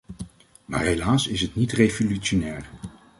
Maar helaas is het niet revolutionair.